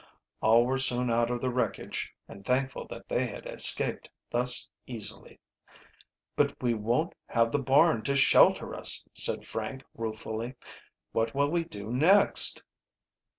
All were soon out of the wreckage, and thankful that they had escaped thus easily. "But we won't have the barn to shelter us," said Frank ruefully. "What will we do next?"